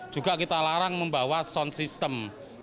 juga kita larang membawa sound system